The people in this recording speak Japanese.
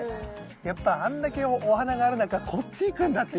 やっぱあんだけお花がある中こっち行くんだっていう。